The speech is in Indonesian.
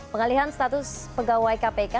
pengalihan status pegawai kpk